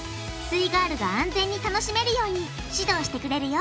イガールが安全に楽しめるように指導してくれるよ